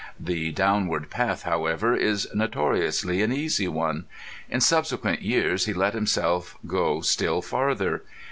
The downward path, however, is notoriously an easy one. In subsequent years he let himself go still farther.